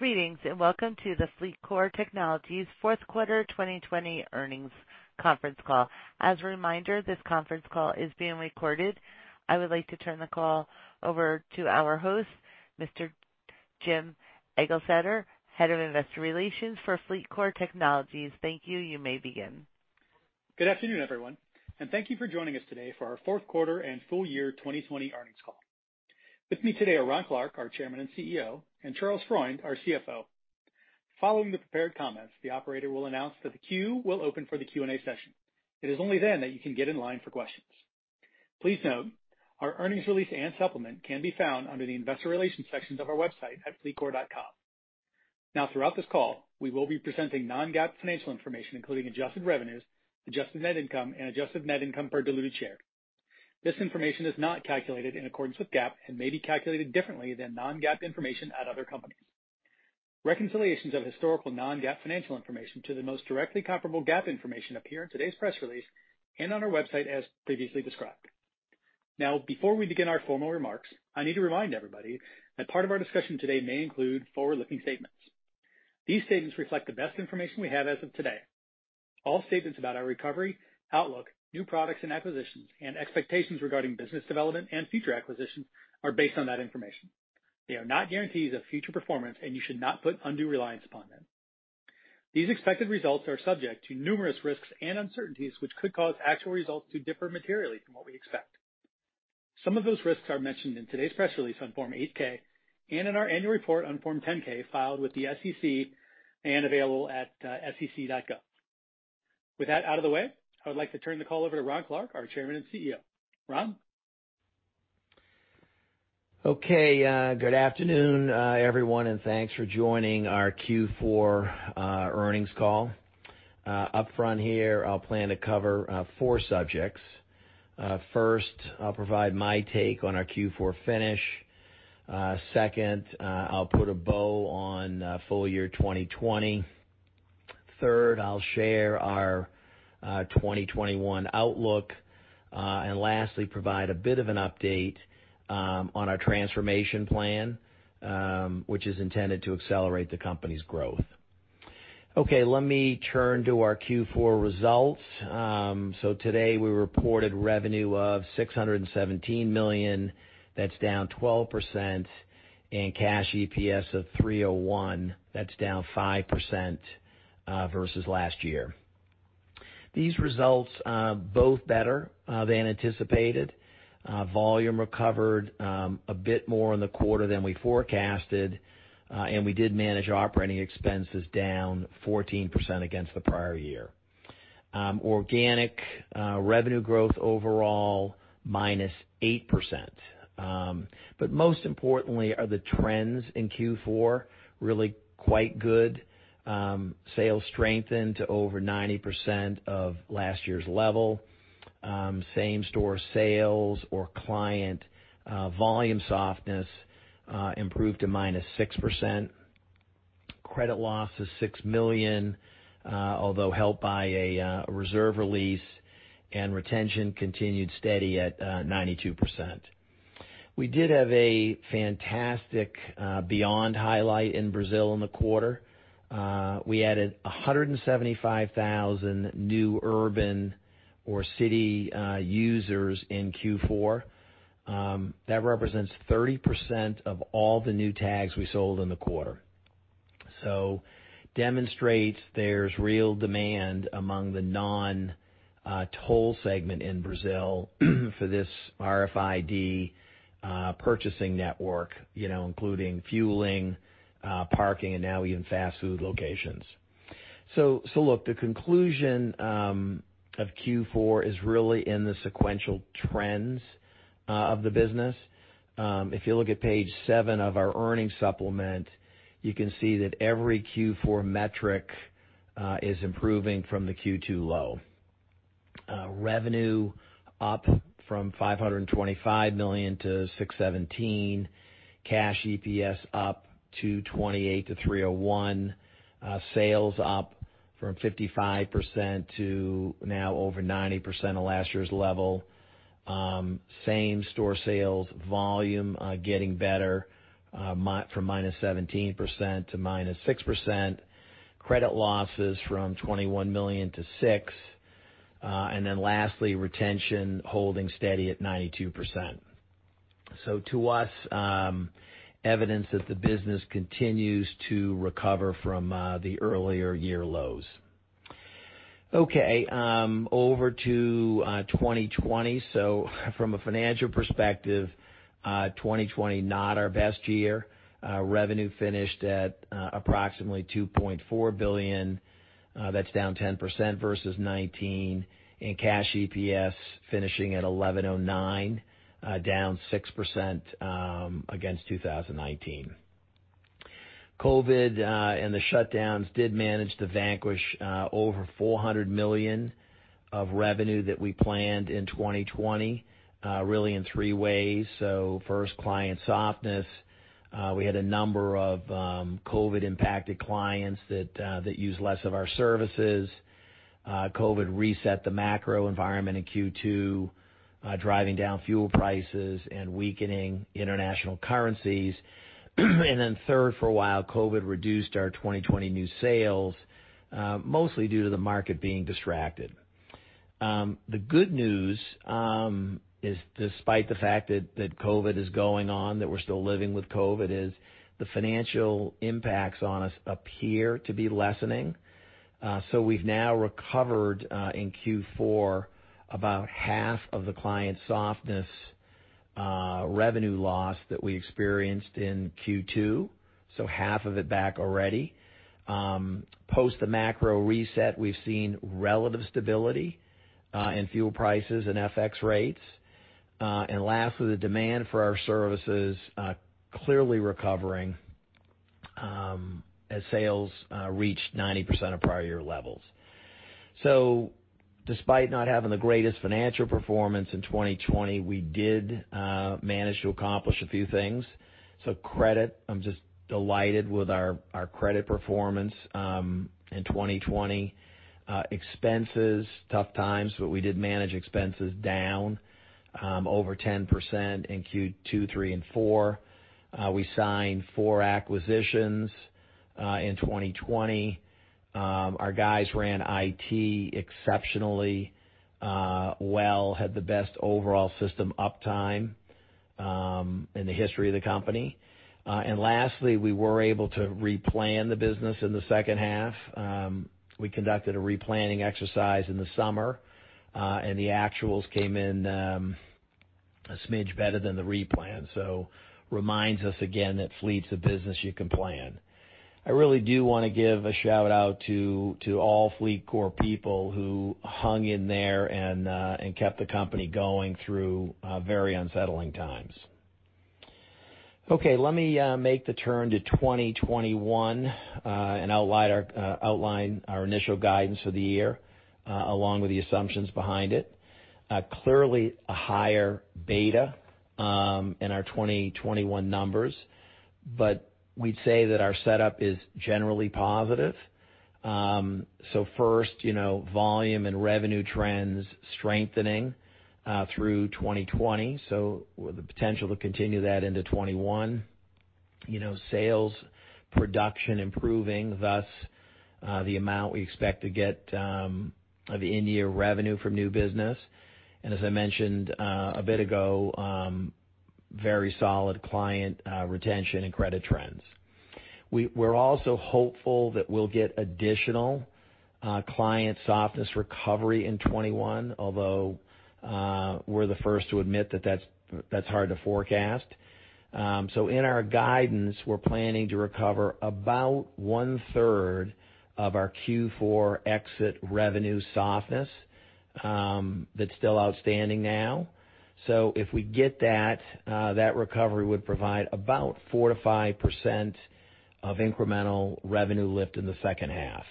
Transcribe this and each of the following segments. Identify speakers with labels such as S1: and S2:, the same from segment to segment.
S1: Greetings, welcome to the FleetCor Technologies Fourth Quarter 2020 Earnings Conference Call. As a reminder, this conference call is being recorded. I would like to turn the call over to our host, Mr. Jim Eglseder, Head of Investor Relations for FleetCor Technologies. Thank you. You may begin.
S2: Good afternoon, everyone. Thank you for joining us today for our fourth quarter and full year 2020 earnings call. With me today are Ron Clarke, our Chairman and CEO, and Charles Freund, our CFO. Following the prepared comments, the operator will announce that the queue will open for the Q&A session. It is only then that you can get in line for questions. Please note, our earnings release and supplement can be found under the investor relations sections of our website at fleetcor.com. Throughout this call, we will be presenting non-GAAP financial information, including adjusted revenues, adjusted net income, and adjusted net income per diluted share. This information is not calculated in accordance with GAAP and may be calculated differently than non-GAAP information at other companies. Reconciliations of historical non-GAAP financial information to the most directly comparable GAAP information appear in today's press release and on our website as previously described. Before we begin our formal remarks, I need to remind everybody that part of our discussion today may include forward-looking statements. These statements reflect the best information we have as of today. All statements about our recovery, outlook, new products and acquisitions, and expectations regarding business development and future acquisitions are based on that information. They are not guarantees of future performance, and you should not put undue reliance upon them. These expected results are subject to numerous risks and uncertainties, which could cause actual results to differ materially from what we expect. Some of those risks are mentioned in today's press release on Form 8-K and in our annual report on Form 10-K filed with the SEC and available at sec.gov. With that out of the way, I would like to turn the call over to Ron Clarke, our Chairman and CEO. Ron?
S3: Good afternoon, everyone, and thanks for joining our Q4 earnings call. Upfront here, I'll plan to cover four subjects. First, I'll provide my take on our Q4 finish. Second, I'll put a bow on full year 2020. Third, I'll share our 2021 outlook. Lastly, provide a bit of an update on our transformation plan, which is intended to accelerate the company's growth. Okay. Let me turn to our Q4 results. Today, we reported revenue of $617 million. That's down 12%, and cash EPS of $3.01. That's down 5% versus last year. These results are both better than anticipated. Volume recovered a bit more in the quarter than we forecasted. We did manage operating expenses down 14% against the prior year. Organic revenue growth overall, -8%. Most importantly are the trends in Q4 really quite good. Sales strengthened to over 90% of last year's level. Same-store sales or client volume softness improved to -6%. Credit loss is $6 million, although helped by a reserve release, and retention continued steady at 92%. We did have a fantastic Beyond highlight in Brazil in the quarter. We added 175,000 new urban or city users in Q4. That represents 30% of all the new tags we sold in the quarter. Demonstrates there's real demand among the non-toll segment in Brazil for this RFID purchasing network including fueling, parking, and now even fast food locations. Look, the conclusion of Q4 is really in the sequential trends of the business. If you look at page seven of our earnings supplement, you can see that every Q4 metric is improving from the Q2 low. Revenue up from $525 million-$617 million. Cash EPS up to $2.80-$3.01. Sales up from 55% to now over 90% of last year's level. Same-store sales volume getting better from -17% to -6%. Credit losses from $21 million-$6 million. Lastly, retention holding steady at 92%. To us, evidence that the business continues to recover from the earlier year lows. Okay. Over to 2020. From a financial perspective, 2020 not our best year. Revenue finished at approximately $2.4 billion. That's down 10% versus 2019. Cash EPS finishing at $11.09, down 6% against 2019. COVID and the shutdowns did manage to vanquish over $400 million of revenue that we planned in 2020 really in three ways. First, client softness. We had a number of COVID-impacted clients that used less of our services. COVID reset the macro environment in Q2, driving down fuel prices and weakening international currencies. Third, for a while, COVID reduced our 2020 new sales, mostly due to the market being distracted. The good news is, despite the fact that COVID is going on, that we're still living with COVID, is the financial impacts on us appear to be lessening. We've now recovered, in Q4, about half of the client softness revenue loss that we experienced in Q2, so half of it back already. Post the macro reset, we've seen relative stability in fuel prices and FX rates. Lastly, the demand for our services clearly recovering as sales reached 90% of prior year levels. Despite not having the greatest financial performance in 2020, we did manage to accomplish a few things. Credit, I'm just delighted with our credit performance in 2020. Expenses, tough times, but we did manage expenses down over 10% in Q2, Q3, and Q4. We signed four acquisitions in 2020. Our guys ran IT exceptionally well, had the best overall system uptime in the history of the company. Lastly, we were able to replan the business in the second half. We conducted a replanning exercise in the summer, and the actuals came in a smidge better than the replan. Reminds us again that fleet's a business you can plan. I really do want to give a shout-out to all FleetCor people who hung in there and kept the company going through very unsettling times. Okay. Let me make the turn to 2021, and outline our initial guidance for the year, along with the assumptions behind it. Clearly, a higher beta in our 2021 numbers. We'd say that our setup is generally positive. First, volume and revenue trends strengthening through 2020, so the potential to continue that into 2021. Sales production improving, thus the amount we expect to get of in-year revenue from new business. As I mentioned a bit ago, very solid client retention and credit trends. We're also hopeful that we'll get additional client softness recovery in 2021, although we're the first to admit that that's hard to forecast. In our guidance, we're planning to recover about 1/3 of our Q4 exit revenue softness that's still outstanding now. If we get that recovery would provide about 4%-5% of incremental revenue lift in the second half.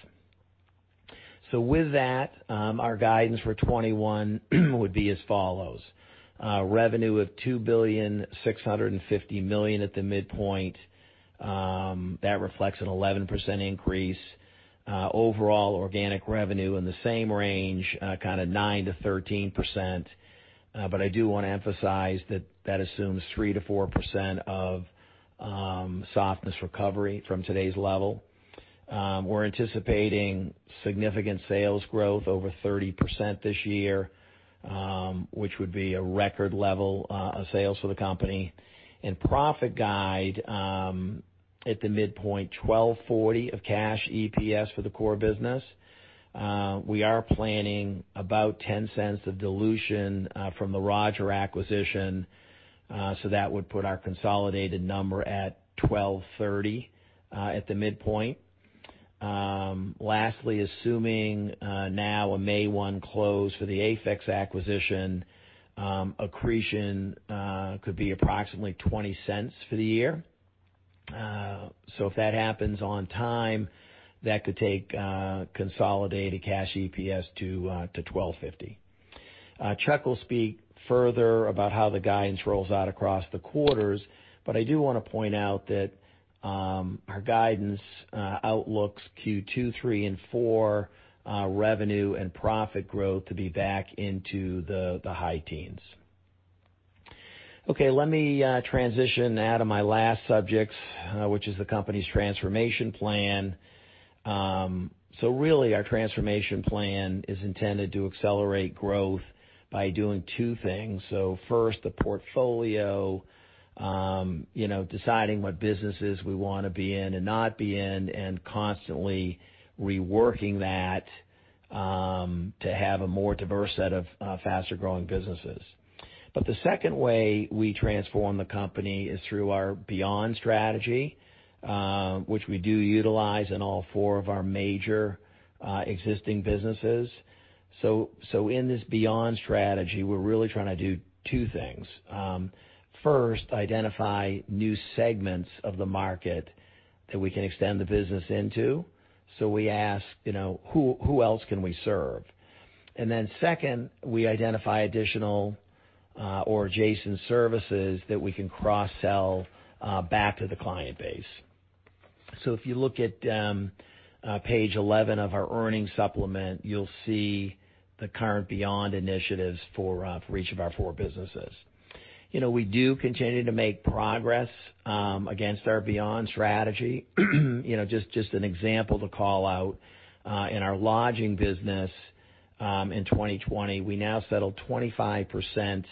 S3: With that, our guidance for 2021 would be as follows. Revenue of $2.65 billion at the midpoint. That reflects an 11% increase. Overall organic revenue in the same range, kind of 9%-13%, but I do want to emphasize that that assumes 3%-4% of softness recovery from today's level. We're anticipating significant sales growth over 30% this year, which would be a record level of sales for the company. Profit guide at the midpoint, $12.40 of cash EPS for the core business. We are planning about $0.10 of dilution from the Roger acquisition, that would put our consolidated number at $12.30 at the midpoint. Lastly, assuming now a May 1 close for the AFEX acquisition, accretion could be approximately $0.20 for the year. If that happens on time, that could take consolidated cash EPS to $12.50. Chuck will speak further about how the guidance rolls out across the quarters, but I do want to point out that our guidance outlooks Q2, Q3, and Q4 revenue and profit growth to be back into the high teens. Okay. Let me transition now to my last subject, which is the company's transformation plan. Really, our transformation plan is intended to accelerate growth by doing two things. First, the portfolio, deciding what businesses we want to be in and not be in, and constantly reworking that to have a more diverse set of faster-growing businesses. The second way we transform the company is through our Beyond strategy, which we do utilize in all four of our major existing businesses. In this Beyond strategy, we're really trying to do two things. First, identify new segments of the market that we can extend the business into. We ask, who else can we serve? Second, we identify additional or adjacent services that we can cross-sell back to the client base. If you look at page 11 of our earnings supplement, you'll see the current Beyond initiatives for each of our four businesses. We do continue to make progress against our Beyond strategy. Just an example to call out in our lodging business in 2020, we now settled 25%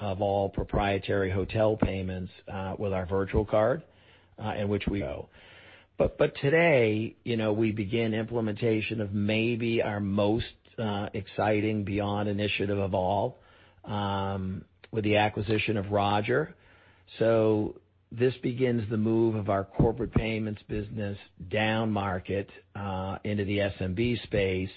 S3: of all proprietary hotel payments with our virtual card, and which we owe. Today, we begin implementation of maybe our most exciting Beyond initiative of all with the acquisition of Roger. This begins the move of our corporate payments business down market into the SMB space,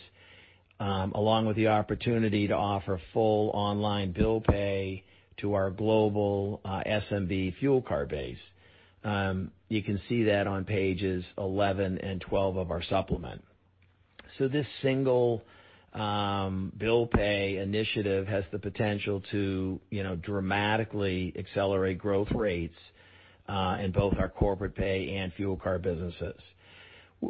S3: along with the opportunity to offer full online bill pay to our global SMB fuel card base. You can see that on pages 11 and 12 of our supplement. This single bill pay initiative has the potential to dramatically accelerate growth rates in both our corporate pay and fuel card businesses.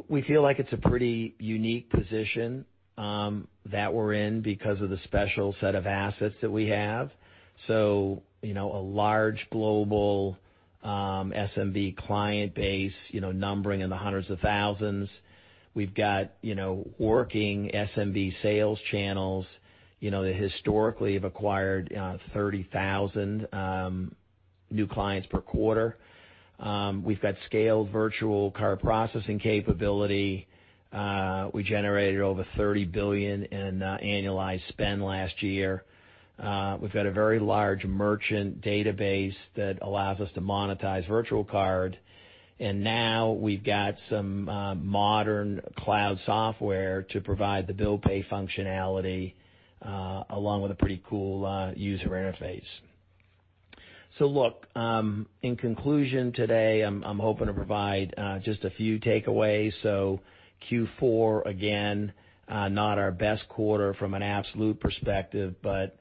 S3: We feel like it's a pretty unique position that we're in because of the special set of assets that we have. A large global SMB client base numbering in the hundreds of thousands. We've got working SMB sales channels that historically have acquired 30,000 new clients per quarter. We've got scaled virtual card processing capability. We generated over $30 billion in annualized spend last year. We've got a very large merchant database that allows us to monetize virtual card. Now we've got some modern cloud software to provide the bill pay functionality along with a pretty cool user interface. In conclusion today, I'm hoping to provide just a few takeaways. Q4, again, not our best quarter from an absolute perspective, but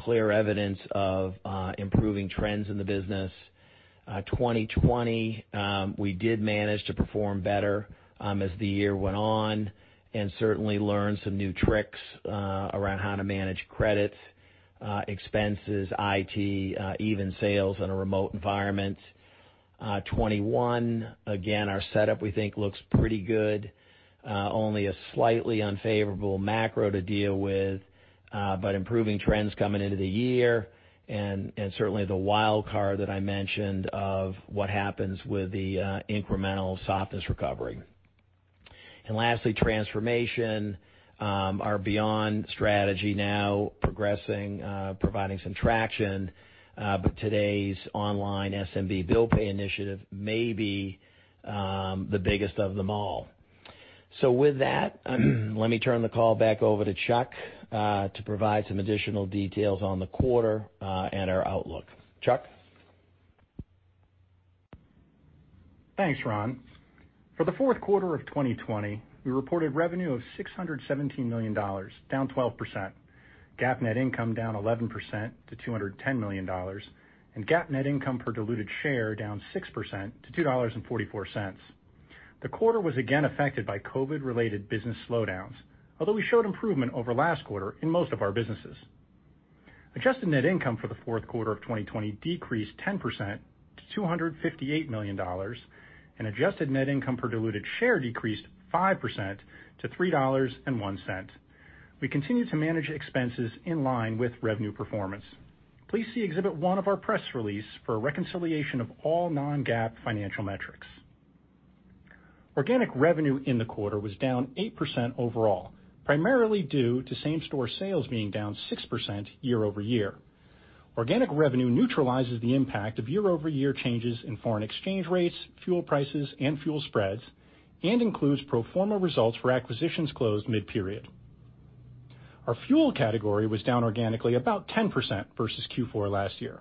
S3: clear evidence of improving trends in the business. 2020, we did manage to perform better as the year went on, and certainly learned some new tricks around how to manage credits, expenses, IT, even sales in a remote environment. 2021, again, our setup we think looks pretty good. Only a slightly unfavorable macro to deal with but improving trends coming into the year, and certainly the wild card that I mentioned of what happens with the incremental softness recovery. Lastly, transformation. Our Beyond strategy now progressing, providing some traction. Today's online SMB bill pay initiative may be the biggest of them all. With that, let me turn the call back over to Chuck to provide some additional details on the quarter and our outlook. Chuck?
S4: Thanks, Ron. For the fourth quarter of 2020, we reported revenue of $617 million, down 12%. GAAP net income down 11% to $210 million, and GAAP net income per diluted share down 6% to $2.44. The quarter was again affected by COVID-related business slowdowns, although we showed improvement over last quarter in most of our businesses. Adjusted net income for the fourth quarter of 2020 decreased 10% to $258 million. Adjusted net income per diluted share decreased 5% to $3.01. We continue to manage expenses in line with revenue performance. Please see exhibit one of our press release for a reconciliation of all non-GAAP financial metrics. Organic revenue in the quarter was down 8% overall, primarily due to same-store sales being down 6% year-over-year. Organic revenue neutralizes the impact of year-over-year changes in foreign exchange rates, fuel prices, and fuel spreads, and includes pro forma results for acquisitions closed mid-period. Our fuel category was down organically about 10% versus Q4 last year.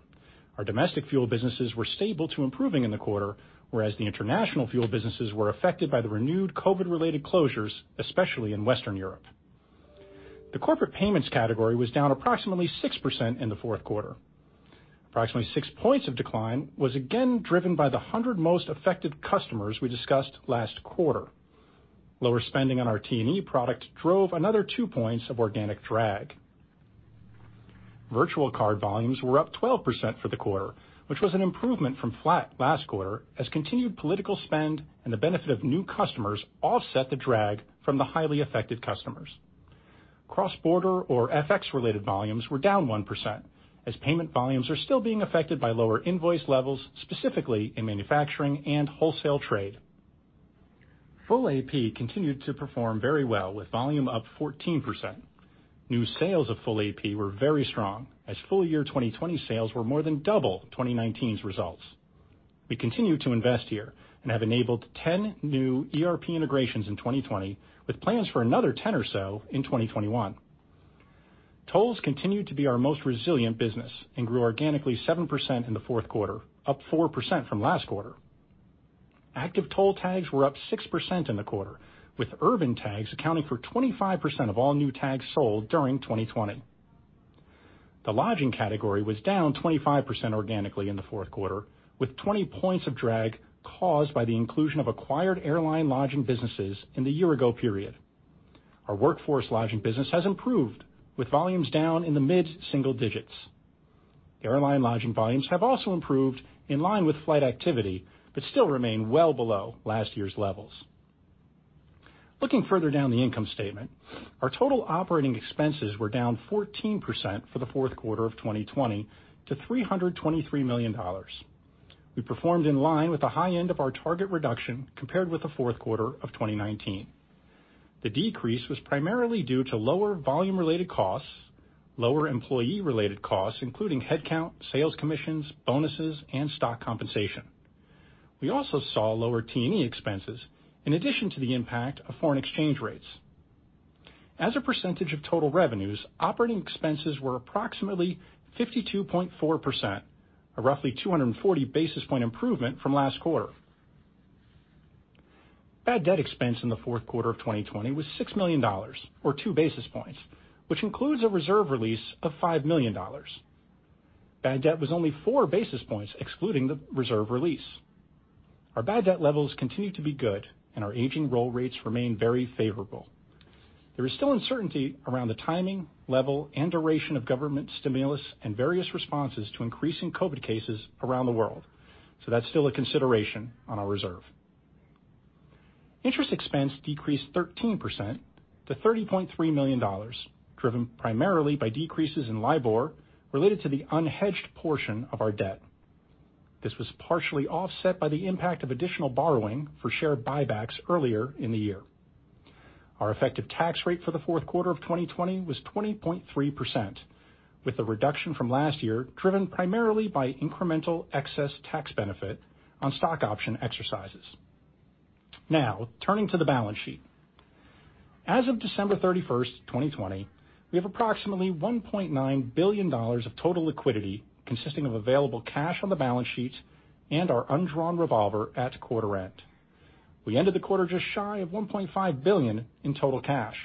S4: Our domestic fuel businesses were stable to improving in the quarter, whereas the international fuel businesses were affected by the renewed COVID-related closures, especially in Western Europe. The corporate payments category was down approximately 6% in the fourth quarter. Approximately 6 points of decline was again driven by the 100 most affected customers we discussed last quarter. Lower spending on our T&E product drove another 2 points of organic drag. Virtual card volumes were up 12% for the quarter, which was an improvement from flat last quarter, as continued political spend and the benefit of new customers offset the drag from the highly affected customers. Cross-border or FX-related volumes were down 1%, as payment volumes are still being affected by lower invoice levels, specifically in manufacturing and wholesale trade. Full AP continued to perform very well, with volume up 14%. New sales of Full AP were very strong, as full-year 2020 sales were more than double 2019's results. We continue to invest here and have enabled 10 new ERP integrations in 2020, with plans for another 10 or so in 2021. Tolls continued to be our most resilient business and grew organically 7% in the fourth quarter, up 4% from last quarter. Active toll tags were up 6% in the quarter, with urban tags accounting for 25% of all new tags sold during 2020. The lodging category was down 25% organically in the fourth quarter, with 20 points of drag caused by the inclusion of acquired airline lodging businesses in the year-ago period. Our workforce lodging business has improved, with volumes down in the mid-single digits. Airline lodging volumes have also improved in line with flight activity, but still remain well below last year's levels. Looking further down the income statement, our total operating expenses were down 14% for the fourth quarter of 2020 to $323 million. We performed in line with the high end of our target reduction compared with the fourth quarter of 2019. The decrease was primarily due to lower volume-related costs, lower employee-related costs, including headcount, sales commissions, bonuses, and stock compensation. We also saw lower T&E expenses in addition to the impact of foreign exchange rates. As a percentage of total revenues, operating expenses were approximately 52.4%, a roughly 240-basis point improvement from last quarter. Bad debt expense in the fourth quarter of 2020 was $6 million, or 2 basis points, which includes a reserve release of $5 million. Bad debt was only 4 basis points excluding the reserve release. Our bad debt levels continue to be good, and our aging roll rates remain very favorable. There is still uncertainty around the timing, level, and duration of government stimulus and various responses to increasing COVID cases around the world. That's still a consideration on our reserve. Interest expense decreased 13% to $30.3 million, driven primarily by decreases in LIBOR related to the unhedged portion of our debt. This was partially offset by the impact of additional borrowing for share buybacks earlier in the year. Our effective tax rate for the fourth quarter of 2020 was 20.3%, with the reduction from last year driven primarily by incremental excess tax benefit on stock option exercises. Turning to the balance sheet. As of December 31st, 2020, we have approximately $1.9 billion of total liquidity consisting of available cash on the balance sheet and our undrawn revolver at quarter end. We ended the quarter just shy of $1.5 billion in total cash,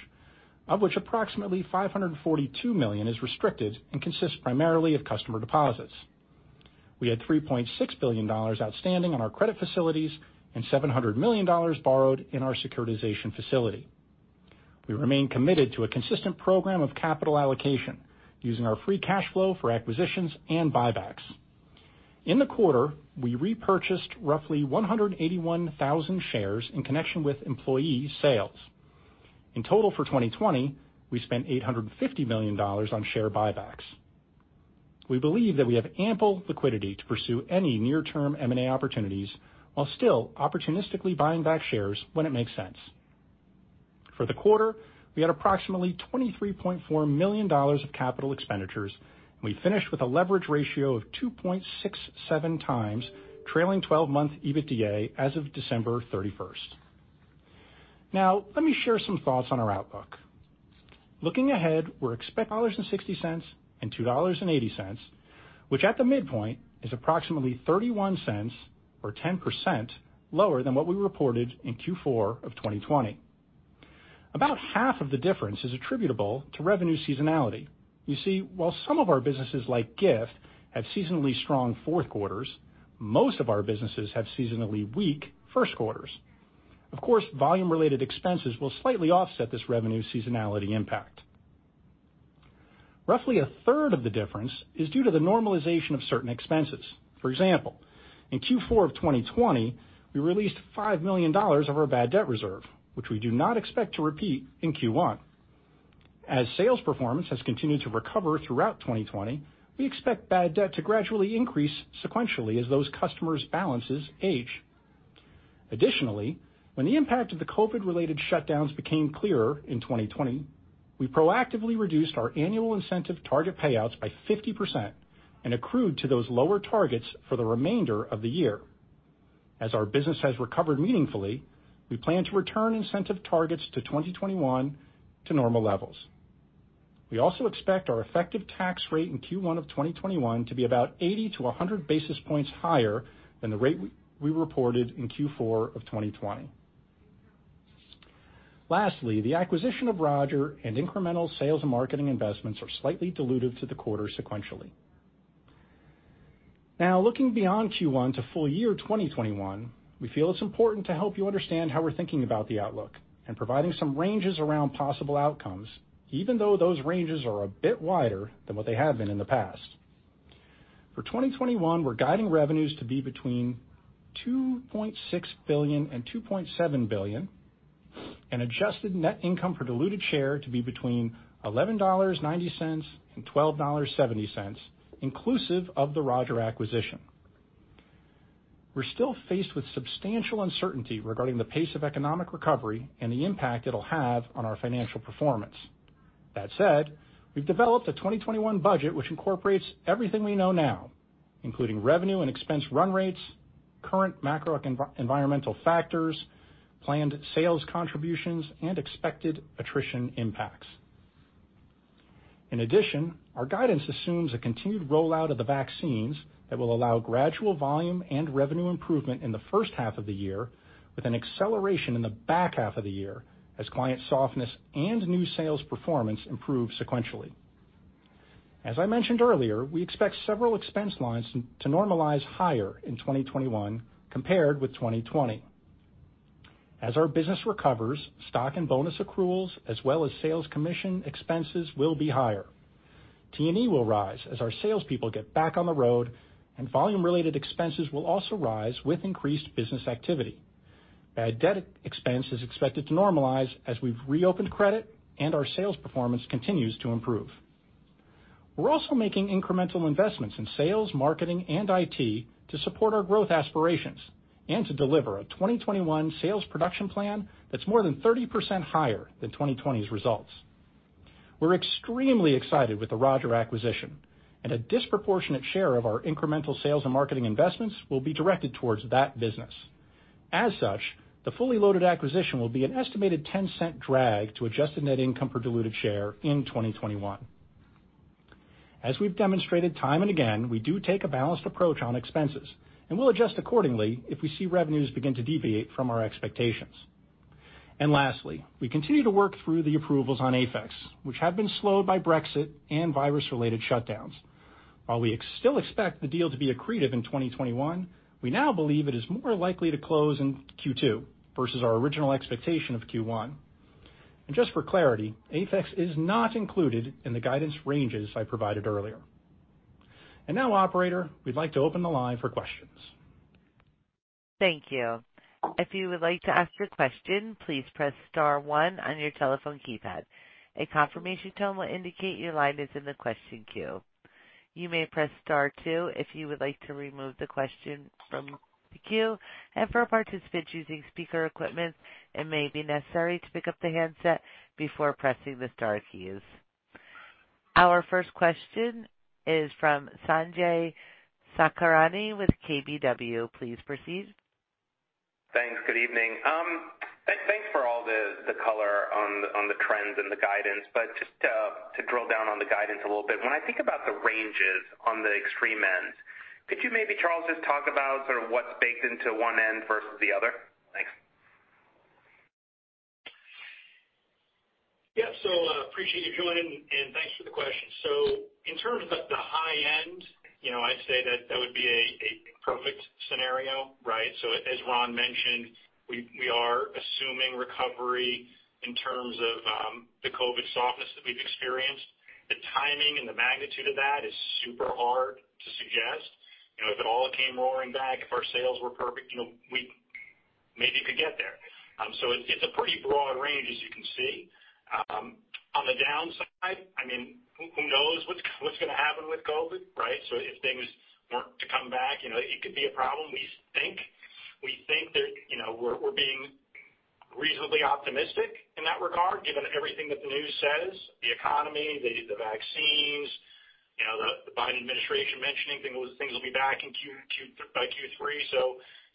S4: of which approximately $542 million is restricted and consists primarily of customer deposits. We had $3.6 billion outstanding on our credit facilities and $700 million borrowed in our securitization facility. We remain committed to a consistent program of capital allocation using our free cash flow for acquisitions and buybacks. In the quarter, we repurchased roughly 181,000 shares in connection with employee sales. In total for 2020, we spent $850 million on share buybacks. We believe that we have ample liquidity to pursue any near-term M&A opportunities while still opportunistically buying back shares when it makes sense. For the quarter, we had approximately $23.4 million of capital expenditures, and we finished with a leverage ratio of 2.67x trailing 12-month EBITDA as of December 31st. Now, let me share some thoughts on our outlook. Looking ahead, we're expect $2.60 and $2.80, which at the midpoint is approximately $0.31 or 10% lower than what we reported in Q4 of 2020. About half of the difference is attributable to revenue seasonality. You see, while some of our businesses like Gift have seasonally strong fourth quarters, most of our businesses have seasonally weak first quarters. Of course, volume-related expenses will slightly offset this revenue seasonality impact. Roughly a third of the difference is due to the normalization of certain expenses. For example, in Q4 of 2020, we released $5 million of our bad debt reserve, which we do not expect to repeat in Q1. As sales performance has continued to recover throughout 2020, we expect bad debt to gradually increase sequentially as those customers' balances age. Additionally, when the impact of the COVID-related shutdowns became clearer in 2020, we proactively reduced our annual incentive target payouts by 50% and accrued to those lower targets for the remainder of the year. As our business has recovered meaningfully, we plan to return incentive targets to 2021 to normal levels. We also expect our effective tax rate in Q1 of 2021 to be about 80 basis points-100 basis points higher than the rate we reported in Q4 of 2020. Lastly, the acquisition of Roger and incremental sales and marketing investments are slightly dilutive to the quarter sequentially. Looking beyond Q1 to full year 2021, we feel it's important to help you understand how we're thinking about the outlook and providing some ranges around possible outcomes, even though those ranges are a bit wider than what they have been in the past. For 2021, we're guiding revenues to be between $2.6 billion and $2.7 billion and adjusted net income per diluted share to be between $11.90 and $12.70, inclusive of the Roger acquisition. We're still faced with substantial uncertainty regarding the pace of economic recovery and the impact it'll have on our financial performance. That said, we've developed a 2021 budget which incorporates everything we know now, including revenue and expense run rates, current macro environmental factors, planned sales contributions, and expected attrition impacts. In addition, our guidance assumes a continued rollout of the vaccines that will allow gradual volume and revenue improvement in the first half of the year, with an acceleration in the back half of the year as client softness and new sales performance improve sequentially. As I mentioned earlier, we expect several expense lines to normalize higher in 2021 compared with 2020. As our business recovers, stock and bonus accruals, as well as sales commission expenses, will be higher. T&E will rise as our salespeople get back on the road, and volume-related expenses will also rise with increased business activity. Bad debt expense is expected to normalize as we've reopened credit and our sales performance continues to improve. We're also making incremental investments in sales, marketing, and IT to support our growth aspirations and to deliver a 2021 sales production plan that's more than 30% higher than 2020's results. We're extremely excited with the Roger acquisition, and a disproportionate share of our incremental sales and marketing investments will be directed towards that business. As such, the fully loaded acquisition will be an estimated $0.10 drag to adjusted net income per diluted share in 2021. As we've demonstrated time and again, we do take a balanced approach on expenses, and we'll adjust accordingly if we see revenues begin to deviate from our expectations. Lastly, we continue to work through the approvals on AFEX, which have been slowed by Brexit and virus-related shutdowns. While we still expect the deal to be accretive in 2021, we now believe it is more likely to close in Q2 versus our original expectation of Q1. Just for clarity, AFEX is not included in the guidance ranges I provided earlier. Now, operator, we'd like to open the line for questions.
S1: Thank you. If you would like to ask a question please press star one on your telephone keypad. A confirmation tone will indicate your line is in the question queue. You may press star two if you would like to remove the question from the queue. For participants using speaker equipments it may be necessary to pick up the handset before pressing star keys. Our first question is from Sanjay Sakhrani with KBW. Please proceed.
S5: Thanks. Good evening. Thanks for all the color on the trends and the guidance. Just to drill down on the guidance a little bit, when I think about the ranges on the extreme ends, could you maybe, Charles, just talk about what's baked into one end versus the other? Thanks.
S4: Yeah. Appreciate you joining, and thanks for the question. In terms of the high end, I'd say that that would be a perfect scenario, right? As Ron mentioned, we are assuming recovery in terms of the COVID softness that we've experienced. The timing and the magnitude of that is super hard to suggest. If it all came roaring back, if our sales were perfect, we maybe could get there. It's a pretty broad range, as you can see. On the downside, who knows what's going to happen with COVID, right? If things weren't to come back, it could be a problem. We think we're being reasonably optimistic in that regard, given everything that the news says, the economy, the vaccines, the Biden administration mentioning things will be back by Q3.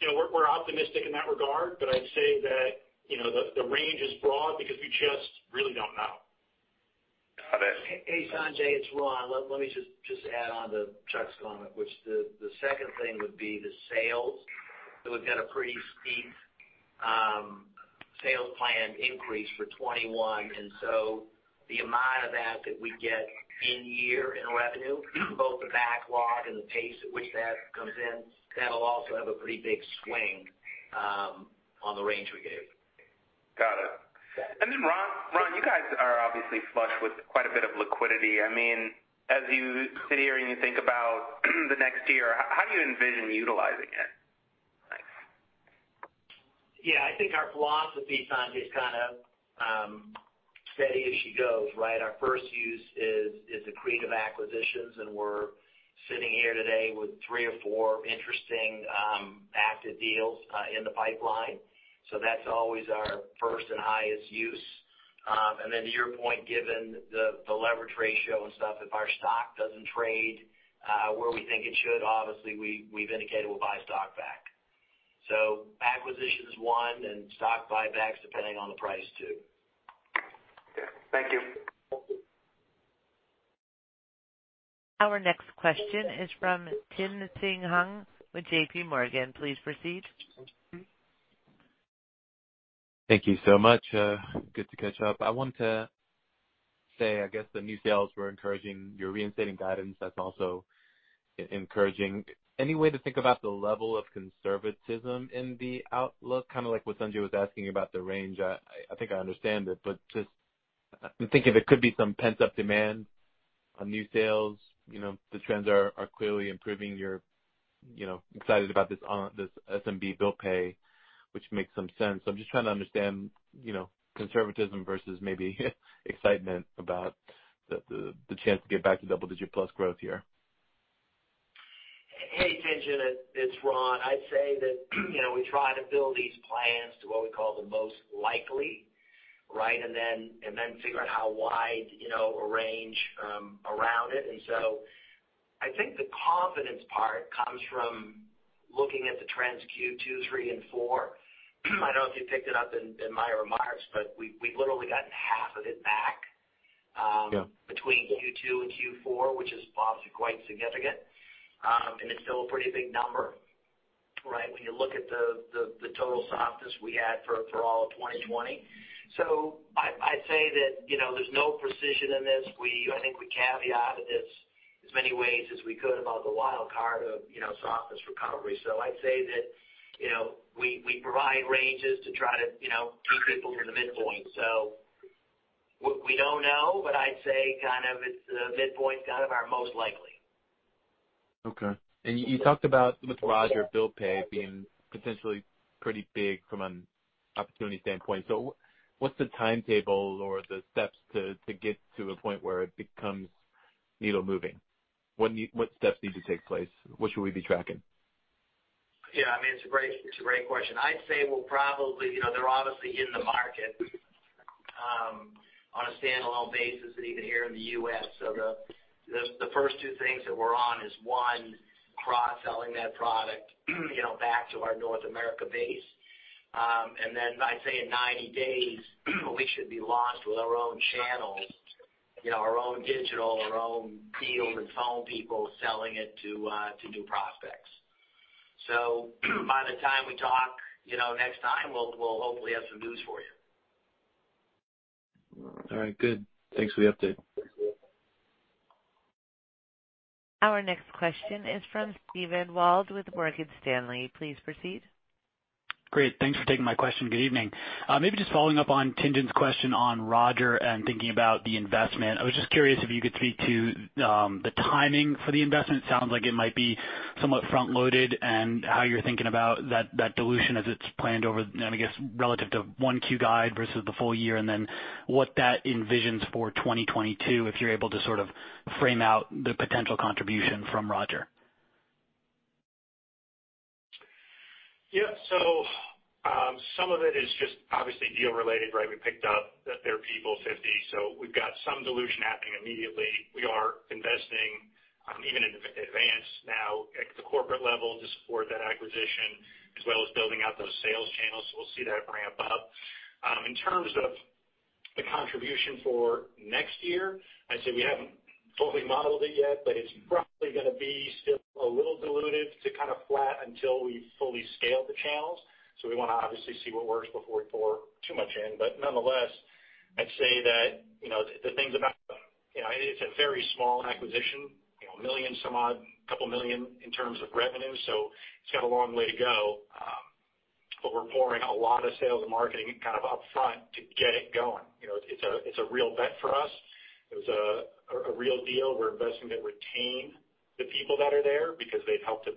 S4: We're optimistic in that regard, but I'd say that the range is broad because we just really don't know.
S5: Got it.
S3: Hey, Sanjay, it's Ron. Let me just add on to Chuck's comment, which the second thing would be the sales. We've got a pretty steep sales plan increase for 2021, the amount of that that we get in year in revenue, both the backlog and the pace at which that comes in, that'll also have a pretty big swing on the range we gave.
S5: Got it.
S3: Yeah.
S5: Ron, you guys are obviously flush with quite a bit of liquidity. As you sit here and you think about the next year, how do you envision utilizing it? Thanks.
S3: I think our philosophy, Sanjay, is kind of steady as she goes, right? Our first use is accretive acquisitions, and we're sitting here today with three or four interesting active deals in the pipeline. That's always our first and highest use. To your point, given the leverage ratio and stuff, if our stock doesn't trade where we think it should, obviously, we've indicated we'll buy stock back. Acquisition is one, and stock buybacks, depending on the price, two.
S5: Okay. Thank you.
S1: Our next question is from Tien-Tsin Huang with JPMorgan. Please proceed.
S6: Thank you so much. Good to catch up. I want to say, the new sales were encouraging. You're reinstating guidance, that's also encouraging. Any way to think about the level of conservatism in the outlook? Kind of like what Sanjay was asking about the range. I think I understand it, I'm thinking there could be some pent-up demand on new sales. The trends are clearly improving. You're excited about this SMB bill pay, which makes some sense. I'm trying to understand conservatism versus maybe excitement about the chance to get back to double-digit plus growth here.
S3: Hey, Tien-Tsin. It's Ron. I'd say that we try to build these plans to what we call the most likely, right? Then figuring how wide a range around it. I think the confidence part comes from. Looking at the trends Q2, Q3, and Q4, I don't know if you picked it up in my remarks, but we've literally gotten half of it back-
S6: Yeah
S3: ...between Q2 and Q4, which is obviously quite significant. It's still a pretty big number. When you look at the total softness we had for all of 2020. I'd say that there's no precision in this. I think we caveated this as many ways as we could about the wild card of softness recovery. I'd say that we provide ranges to try to take people to the midpoint. We don't know, but I'd say the midpoint's kind of our most likely.
S6: Okay. You talked about with Roger, bill pay being potentially pretty big from an opportunity standpoint. What's the timetable or the steps to get to a point where it becomes needle moving? What steps need to take place? What should we be tracking?
S3: Yeah, it's a great question. I'd say they're obviously in the market on a standalone basis and even here in the U.S. The first two things that we're on is, one, cross-selling that product back to our North America base. I'd say in 90 days, we should be launched with our own channels, our own digital, our own field and phone people selling it to new prospects. By the time we talk next time, we'll hopefully have some news for you.
S6: All right, good. Thanks for the update.
S1: Our next question is from Steven Wald with Morgan Stanley. Please proceed.
S7: Great. Thanks for taking my question. Good evening. Maybe just following up on Tien-Tsin's question on Roger and thinking about the investment. I was just curious if you could speak to the timing for the investment. Sounds like it might be somewhat front-loaded and how you're thinking about that dilution as it's planned over, I guess, relative to 1Q guide versus the full year, and then what that envisions for 2022, if you're able to sort of frame out the potential contribution from Roger.
S4: Yeah. Some of it is just obviously deal related, right? We picked up their people, 50. We've got some dilution happening immediately. We are investing even in advance now at the corporate level to support that acquisition, as well as building out those sales channels. We'll see that ramp up. In terms of the contribution for next year, I'd say we haven't fully modeled it yet, it's roughly going to be still a little dilutive to kind of flat until we fully scale the channels. We want to obviously see what works before we pour too much in. Nonetheless, I'd say that the things. It's a very small acquisition, millions some odd couple of million in terms of revenue, it's got a long way to go. We're pouring a lot of sales and marketing upfront to get it going. It's a real bet for us. It was a real deal. We're investing to retain the people that are there because they've helped to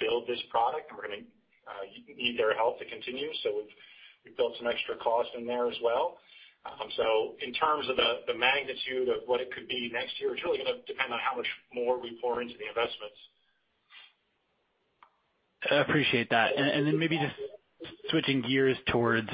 S4: build this product, and we're going to need their help to continue. We've built some extra cost in there as well. In terms of the magnitude of what it could be next year, it's really going to depend on how much more we pour into the investments.
S7: I appreciate that. Then maybe just switching gears towards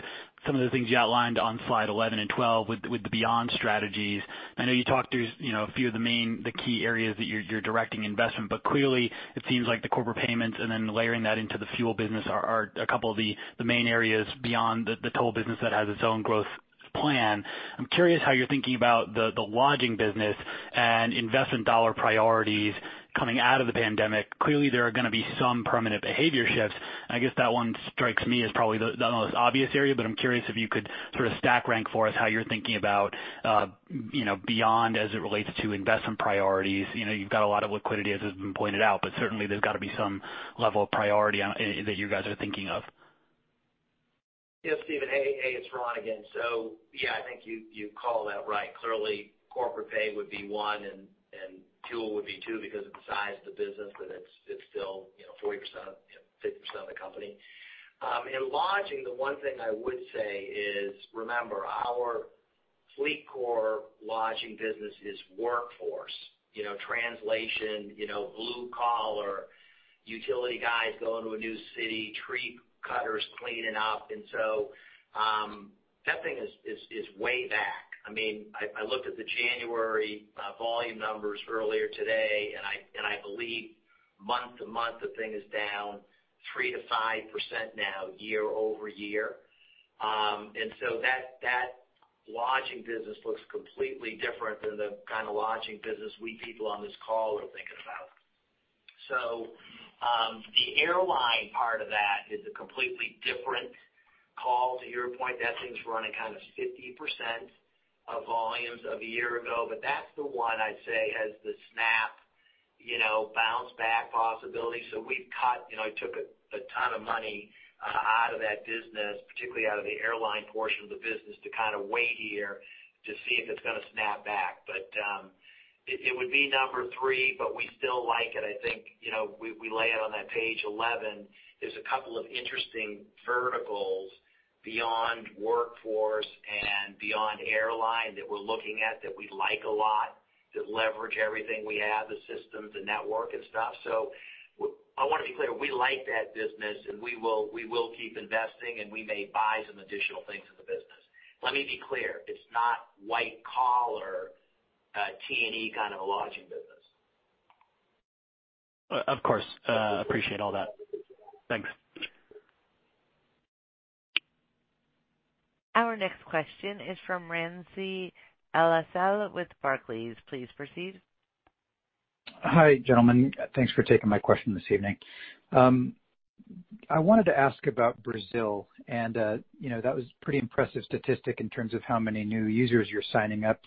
S7: some of the things you outlined on slide 11 and 12 with the Beyond strategies. I know you talked through a few of the key areas that you're directing investment, but clearly it seems like the corporate payments and then layering that into the fuel business are a couple of the main areas Beyond the toll business that has its own growth plan. I'm curious how you're thinking about the lodging business and investment dollar priorities coming out of the pandemic. Clearly, there are going to be some permanent behavior shifts, and I guess that one strikes me as probably the most obvious area. I'm curious if you could sort of stack rank for us how you're thinking about Beyond as it relates to investment priorities. You've got a lot of liquidity, as has been pointed out, but certainly there's got to be some level of priority that you guys are thinking of.
S3: Steven. Hey, it's Ron again. I think you called that right. Clearly corporate pay would be one and two would be two because of the size of the business, and it's still 40%-50% of the company. In lodging, the one thing I would say is, remember, our FleetCor lodging business is workforce. Translation, blue-collar utility guys going to a new city, tree cutters cleaning up. That thing is way back. I looked at the January volume numbers earlier today, and I believe month-to-month, the thing is down 3%-5% now year-over-year. That lodging business looks completely different than the kind of lodging business we people on this call are thinking about. The airline part of that is a completely different call. To your point, that thing's running kind of 50% of volumes of a year ago. That's the one I'd say has the snap bounce back possibility. I took a ton of money out of that business, particularly out of the airline portion of the business, to kind of wait here to see if it's going to snap back. It would be number three, but we still like it. I think we lay it on that page 11. There's a couple of interesting verticals beyond workforce and beyond airline that we're looking at that we like a lot, that leverage everything we have, the systems, the network and stuff. I want to be clear, we like that business, and we will keep investing, and we may buy some additional things in the business. Let me be clear, it's not white-collar T&E kind of a lodging business.
S7: Of course. Appreciate all that. Thanks.
S1: Our next question is from Ramsey El-Assal with Barclays. Please proceed.
S8: Hi, gentlemen. Thanks for taking my question this evening. I wanted to ask about Brazil and that was pretty impressive statistic in terms of how many new users you're signing up.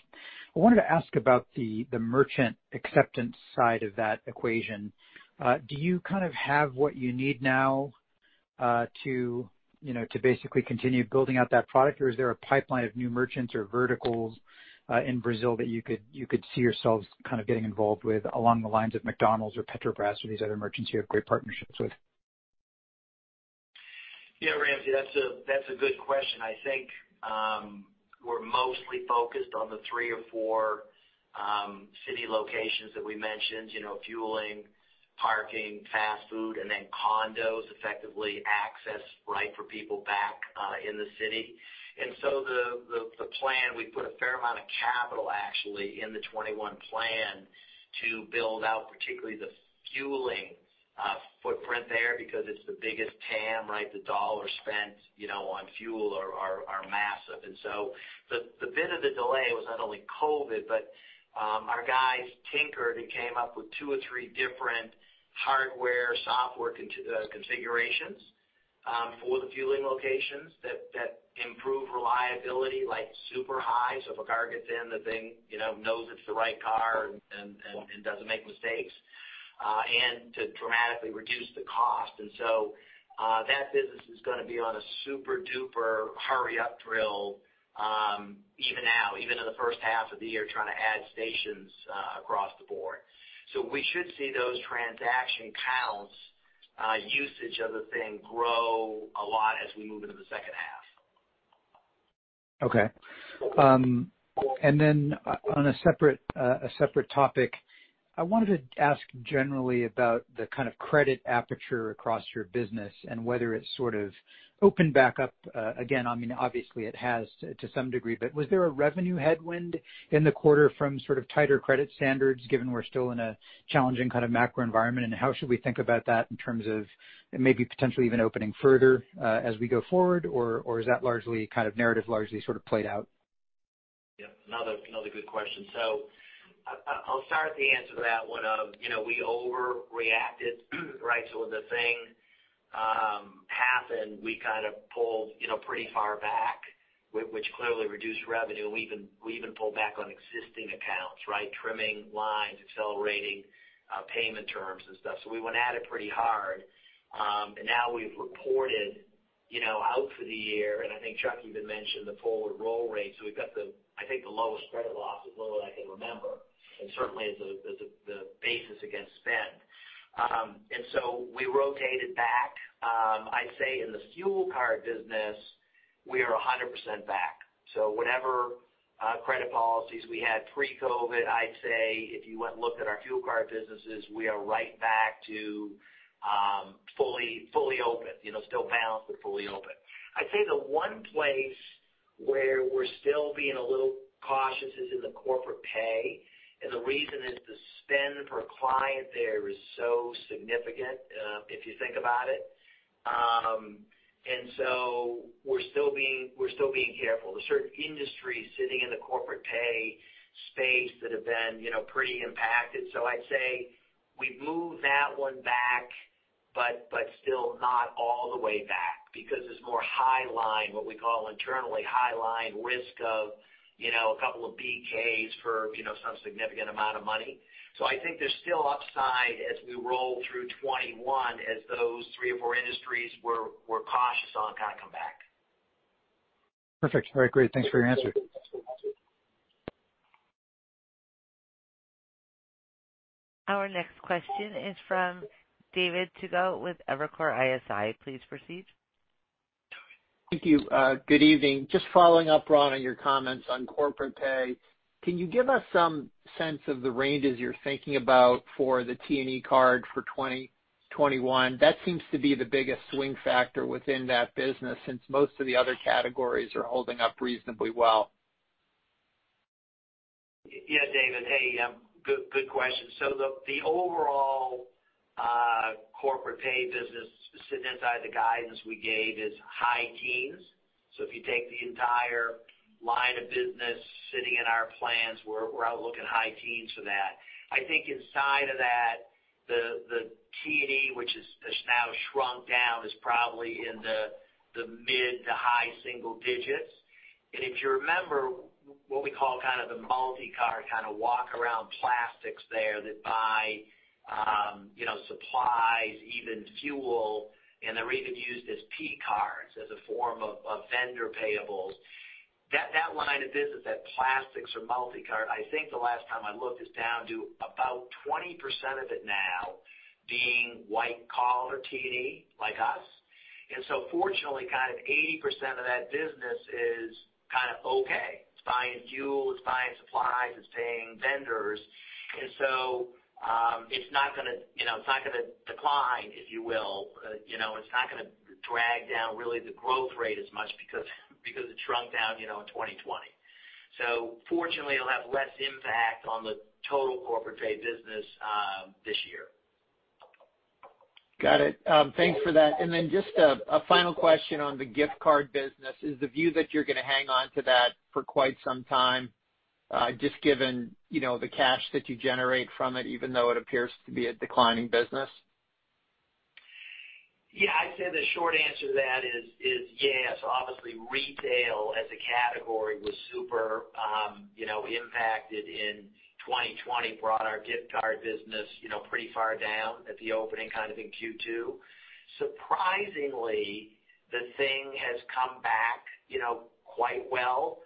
S8: I wanted to ask about the merchant acceptance side of that equation. Do you have what you need now to basically continue building out that product? Is there a pipeline of new merchants or verticals in Brazil that you could see yourselves getting involved with along the lines of McDonald's or Petrobras or these other merchants you have great partnerships with?
S3: Yeah, Ramsey, that's a good question. I think we're mostly focused on the three or four city locations that we mentioned, fueling, parking, fast food, and then condos, effectively access for people back in the city. The plan, we put a fair amount of capital actually in the 2021 plan to build out, particularly the fueling footprint there because it's the biggest TAM. The dollar spent on fuel are massive. The bit of the delay was not only COVID, but our guys tinkered and came up with two or three different hardware, software configurations for the fueling locations that improve reliability like super high and to dramatically reduce the cost. If a car gets in, the thing knows it's the right car and doesn't make mistakes. And to try to reduce the cost. That business is going to be on a super-duper hurry up drill even now, even in the first half of the year, trying to add stations across the board. We should see those transaction counts usage of the thing grow a lot as we move into the second half.
S8: Okay. On a separate topic, I wanted to ask generally about the kind of credit aperture across your business and whether it sort of opened back up. Again, obviously it has to some degree, was there a revenue headwind in the quarter from sort of tighter credit standards, given we're still in a challenging kind of macro environment, how should we think about that in terms of it maybe potentially even opening further as we go forward? Is that largely kind of narrative largely sort of played out?
S3: Yep. Another good question. I'll start the answer to that one of we overreacted, right? When the thing happened, we kind of pulled pretty far back, which clearly reduced revenue. We even pulled back on existing accounts. Trimming lines, accelerating payment terms and stuff. We went at it pretty hard. Now we've reported out for the year, and I think Chuck even mentioned the forward roll rate. We've got, I think, the lowest credit loss, as low as I can remember. Certainly as the basis against spend. We rotated back. I'd say in the fuel card business, we are 100% back. Whatever credit policies we had pre-COVID, I'd say if you went and looked at our fuel card businesses, we are right back to fully open. Still balanced, but fully open. I'd say the one place where we're still being a little cautious is in the corporate pay. The reason is the spend per client there is so significant, if you think about it. We're still being careful. There are certain industries sitting in the corporate pay space that have been pretty impacted. I'd say we've moved that one back, but still not all the way back because it's more high line, what we call internally high line risk of a couple of BKs for some significant amount of money. I think there's still upside as we roll through 2021 as those three or four industries we're cautious on kind of come back.
S8: Perfect. All right, great. Thanks for your answer.
S1: Our next question is from David Togut with Evercore ISI. Please proceed.
S9: Thank you. Good evening. Just following up, Ron, on your comments on corporate pay. Can you give us some sense of the ranges you're thinking about for the T&E card for 2021? That seems to be the biggest swing factor within that business, since most of the other categories are holding up reasonably well.
S3: Yeah, David. Hey, good question. The overall corporate pay business sitting inside the guidance we gave is high teens. If you take the entire line of business sitting in our plans, we're out looking high teens for that. I think inside of that, the T&E which is now shrunk down is probably in the mid to high single digits. If you remember what we call kind of the multi-card kind of walk around plastics there that buy supplies, even fuel, and they're even used as P-cards as a form of vendor payables. That line of business, that plastics or multi-card, I think the last time I looked is down to about 20% of it now being white-collar T&E like us. Fortunately, kind of 80% of that business is kind of okay. It's buying fuel, it's buying supplies, it's paying vendors. It's not going to decline, if you will. It's not going to drag down really the growth rate as much because it shrunk down in 2020. Fortunately, it'll have less impact on the total corporate pay business this year.
S9: Got it. Thanks for that. Just a final question on the gift card business. Is the view that you're going to hang on to that for quite some time, just given the cash that you generate from it, even though it appears to be a declining business?
S3: Yeah, I'd say the short answer to that is yes. Obviously, retail as a category was super impacted in 2020, brought our gift card business pretty far down at the opening in Q2. Surprisingly, the thing has come back quite well.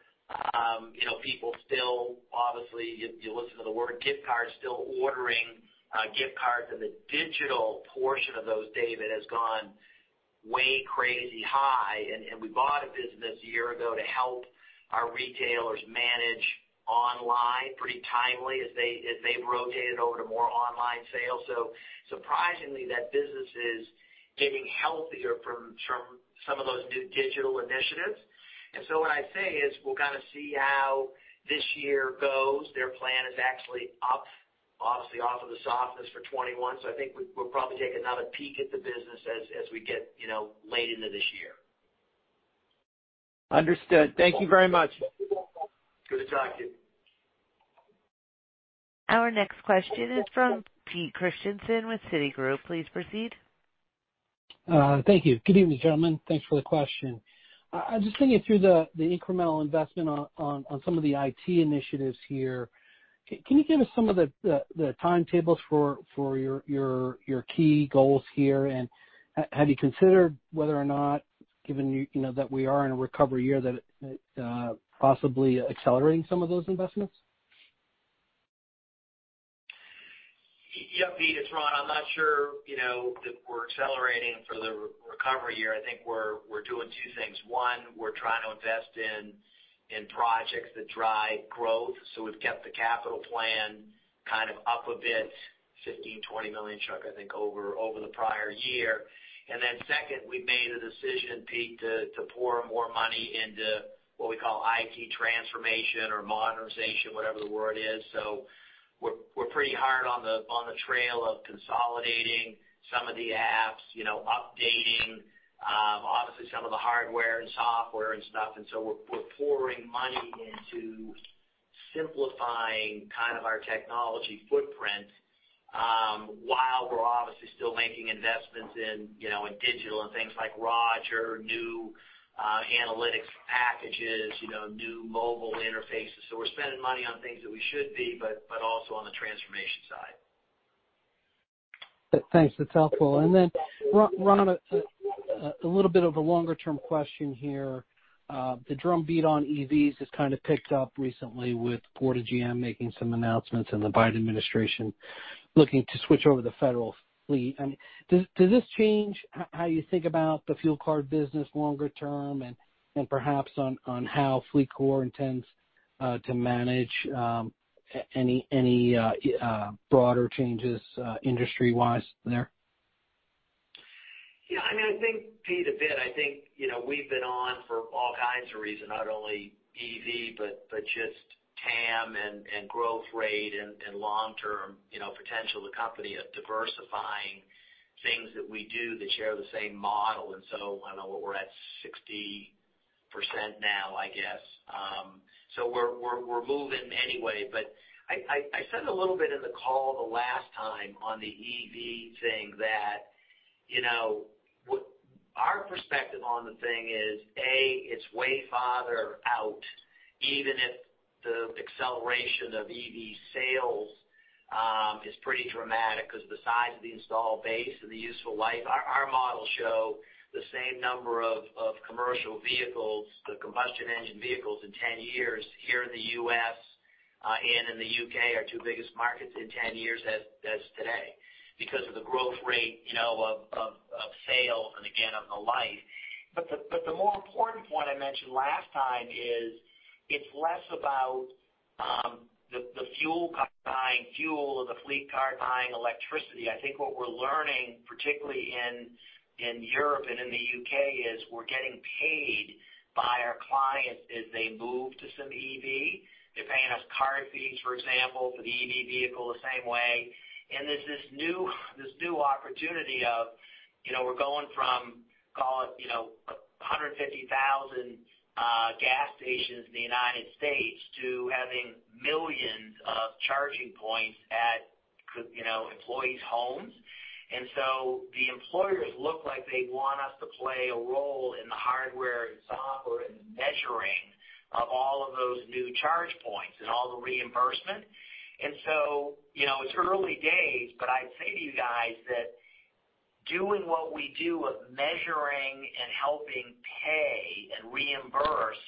S3: People still, obviously, you listen to the word, gift cards, still ordering gift cards, and the digital portion of those, David, has gone way crazy high. We bought a business a year ago to help our retailers manage online pretty timely as they've rotated over to more online sales. Surprisingly, that business is getting healthier from some of those new digital initiatives. What I'd say is, we'll kind of see how this year goes. Their plan is actually up, obviously off of the softness for 2021. I think we'll probably take another peek at the business as we get late into this year.
S9: Understood. Thank you very much.
S3: Good to talk to you.
S1: Our next question is from Pete Christiansen with Citigroup. Please proceed.
S10: Thank you. Good evening, gentlemen. Thanks for the question. I was just thinking through the incremental investment on some of the IT initiatives here. Can you give us some of the timetables for your key goals here? Have you considered whether or not, given that we are in a recovery year, that possibly accelerating some of those investments?
S3: Yeah, Pete, it's Ron. I'm not sure that we're accelerating for the recovery year. I think we're doing two things. One, we're trying to invest in projects that drive growth. We've kept the capital plan kind of up a bit, $15 million-$20 million, Chuck, I think, over the prior year. Then second, we made a decision, Pete, to pour more money into what we call IT transformation or modernization, whatever the word is. We're pretty hard on the trail of consolidating some of the apps, updating obviously some of the hardware and software and stuff. We're pouring money into simplifying our technology footprint, while we're obviously still making investments in digital and things like Roger, new analytics packages, new mobile interfaces. We're spending money on things that we should be, but also on the transformation side.
S10: Thanks. That's helpful. Then Ron, a little bit of a longer-term question here. The drumbeat on EVs has kind of picked up recently with Ford and GM making some announcements, and the Biden administration looking to switch over the federal fleet. Does this change how you think about the fuel card business longer term, and perhaps on how FleetCor intends to manage any broader changes industry-wise there?
S3: I think, Pete, a bit. I think we've been on for all kinds of reasons, not only EV, but just TAM, and growth rate, and long-term potential of the company of diversifying things that we do that share the same model. I know we're at 60% now, I guess. We're moving anyway, but I said a little bit in the call the last time on the EV thing that our perspective on the thing is, A, it's way farther out, even if the acceleration of EV sales is pretty dramatic because of the size of the install base and the useful life. Our models show the same number of commercial vehicles, the combustion engine vehicles in 10 years here in the U.S. and in the U.K., our two biggest markets, in 10 years as today because of the growth rate of sales and again, of the life. The more important point I mentioned last time is it's less about the fuel card buying fuel or the fleet card buying electricity. I think what we're learning, particularly in Europe and in the U.K., is we're getting paid by our clients as they move to some EV. They're paying us card fees, for example, for the EV vehicle the same way. There's this new opportunity of we're going from, call it 150,000 gas stations in the United States to having millions of charging points at employees' homes. The employers look like they want us to play a role in the hardware and software and the measuring of all of those new charge points and all the reimbursement. It's early days, but I'd say to you guys that doing what we do of measuring and helping pay and reimburse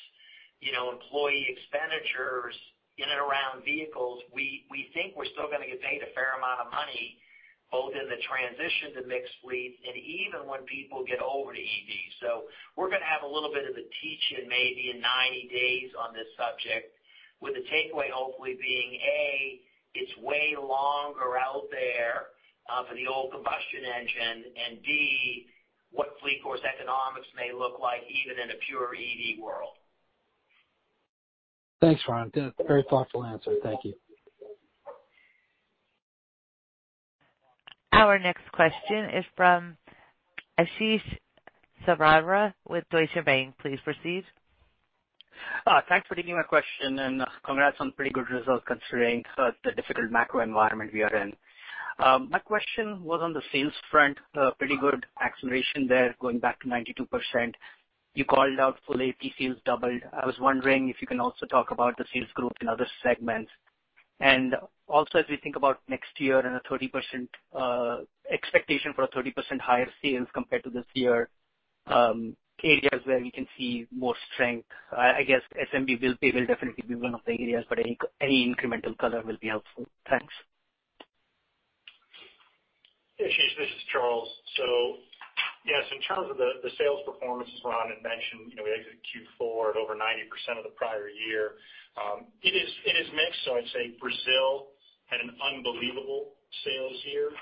S3: employee expenditures in and around vehicles, we think we're still going to get a fair amount of money, both in the transition to mixed fleet and even when people get over to EV. We're going to have a little bit of a teach-in maybe in 90 days on this subject with the takeaway hopefully being, A, it's way longer out there for the old combustion engine, and B, what FleetCor's economics may look like even in a pure EV world.
S10: Thanks, Ron. Very thoughtful answer. Thank you.
S1: Our next question is from Ashish Sabadra with Deutsche Bank. Please proceed.
S11: Thanks for taking my question, and congrats on pretty good results considering the difficult macro environment we are in. My question was on the sales front. Pretty good acceleration there going back to 92%. You called out Full AP sales doubled. I was wondering if you can also talk about the sales growth in other segments. Also, as we think about next year and a 30% expectation for a 30% higher sales compared to this year, areas where we can see more strength. I guess SMB bill pay will definitely be one of the areas, but any incremental color will be helpful. Thanks.
S4: Hey, Ashish, this is Charles. Yes, in terms of the sales performance, as Ron had mentioned, we exit Q4 at over 90% of the prior year. It is mixed. I'd say Brazil had an unbelievable sales year.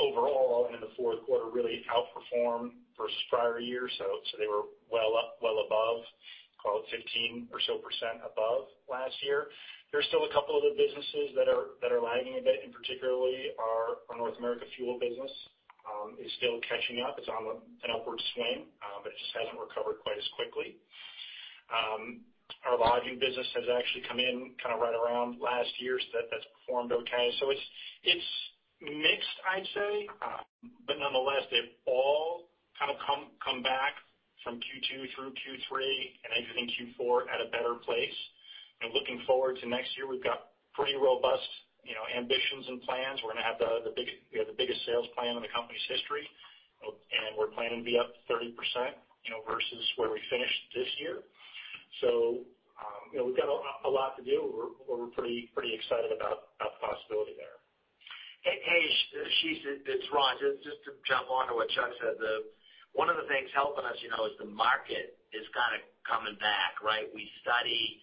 S4: Overall, in the fourth quarter, really outperformed versus prior year. They were well above, call it 15% or so above last year. There's still a couple other businesses that are lagging a bit, and particularly our North America fuel business is still catching up. It's on an upward swing, but it just hasn't recovered quite as quickly. Our lodging business has actually come in right around last year's. That's performed okay. It's mixed, I'd say. Nonetheless, they've all come back from Q2 through Q3 and exiting Q4 at a better place. Looking forward to next year, we've got pretty robust ambitions and plans. We have the biggest sales plan in the company's history, and we're planning to be up 30% versus where we finished this year. We've got a lot to do. We're pretty excited about the possibility there.
S3: Hey, Ashish, it's Ron. Just to jump onto what Chuck said, one of the things helping us is the market is kind of coming back, right? We study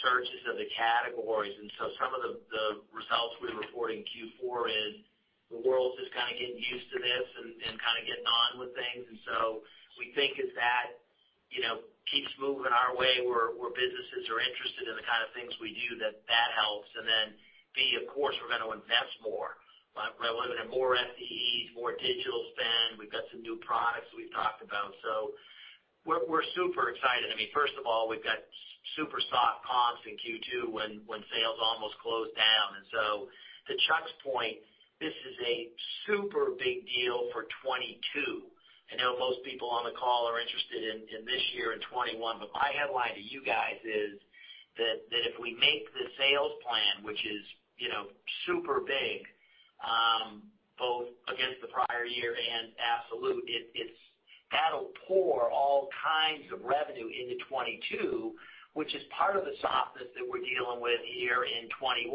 S3: searches of the categories, some of the results we report in Q4 is the world's just kind of getting used to this and kind of getting on with things. We think as that keeps moving our way, where businesses are interested in the kind of things we do, that that helps. B, of course, we're going to invest more. We're going to have more SPEs, more digital spend. We've got some new products we've talked about. We're super excited. First of all, we've got super soft comps in Q2 when sales almost closed down. To Chuck's point, this is a super big deal for 2022. I know most people on the call are interested in this year in 2021. My headline to you guys is that if we make the sales plan, which is super big, both against the prior year and absolute, that'll pour all kinds of revenue into 2022, which is part of the softness that we're dealing with here in 2021,